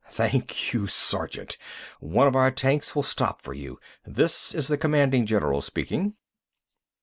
Thank you, Sergeant. One of our tanks will stop for you. This is the commanding general speaking."